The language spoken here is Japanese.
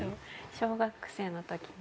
小学生のときに。